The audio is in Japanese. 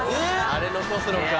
・あれ残すのか。